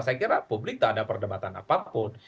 saya kira publik tak ada perdebatan apapun